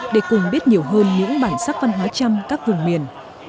để cùng biết nhiều hơn những bản sắc văn hóa trăm các vùng miền